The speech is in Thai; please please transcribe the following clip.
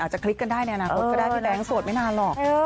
อาจจะคลิกกันได้ในอนาคตก็ได้ที่แปลงสวยไม่นานหรอก